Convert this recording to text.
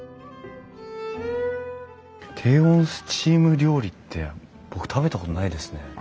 低温スチーム料理って僕食べたことないですね。